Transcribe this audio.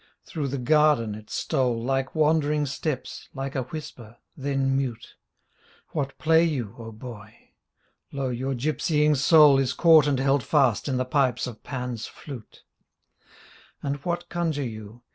Through the garden it stole Like wandering steps, like a whisper — then mute; What play you, O Boy? Lo ! your gypsying soul Is caught and held fast in the pipes of Pan's flute. And what conjure you?